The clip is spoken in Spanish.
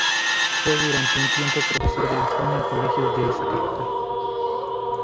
Fue durante un tiempo profesor de latín en colegios de esa capital.